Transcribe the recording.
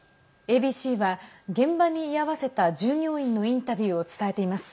ＡＢＣは現場に居合わせた従業員のインタビューを伝えています。